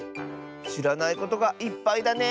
しらないことがいっぱいだね。